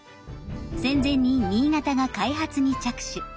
戦前に新潟が開発に着手。